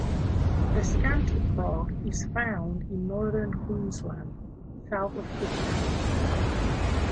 The Scanty Frog is found in northern Queensland, south of Cooktown.